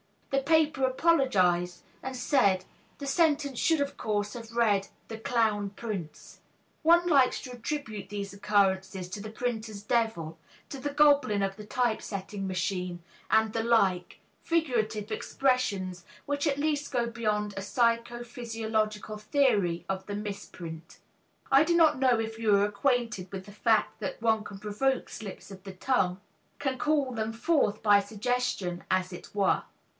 The paper apologized and said, "The sentence should, of course, have read 'The Clown Prince.'" One likes to attribute these occurrences to the printer's devil, to the goblin of the typesetting machine, and the like figurative expressions which at least go beyond a psycho physiological theory of the misprint. I do not know if you are acquainted with the fact that one can provoke slips of the tongue, can call them forth by suggestion, as it were.